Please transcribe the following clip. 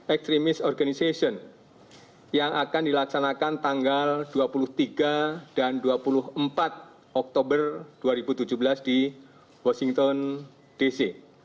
extremis organization yang akan dilaksanakan tanggal dua puluh tiga dan dua puluh empat oktober dua ribu tujuh belas di washington dc